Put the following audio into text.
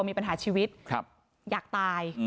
มีปัญหาชีวิตอยากตาย